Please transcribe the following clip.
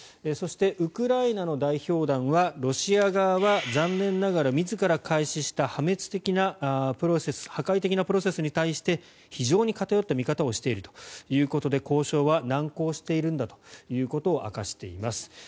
そしてウクライナの代表団はロシア側は残念ながら自ら開始した破壊的なプロセスに対して非常に偏った見方をしているということで交渉は難航しているんだということを明かしています。